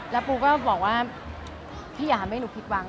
แล้วปูก็บอกว่าพี่อย่าทำให้หนูผิดหวัง